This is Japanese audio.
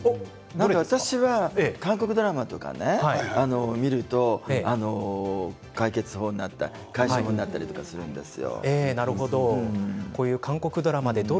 私は韓国ドラマを見ると解決法になったり解消法になったりするんですよ。